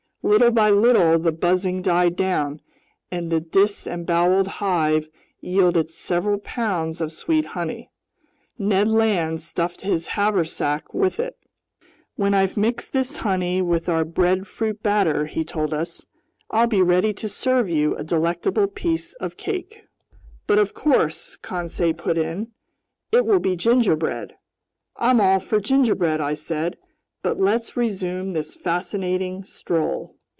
Little by little the buzzing died down and the disemboweled hive yielded several pounds of sweet honey. Ned Land stuffed his haversack with it. "When I've mixed this honey with our breadfruit batter," he told us, "I'll be ready to serve you a delectable piece of cake." "But of course," Conseil put in, "it will be gingerbread!" "I'm all for gingerbread," I said, "but let's resume this fascinating stroll."